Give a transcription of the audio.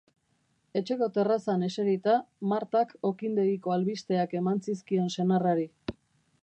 Etxeko terrazan eserita, Martak okindegiko albisteak eman zizkion senarrari.